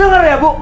bu denger ya bu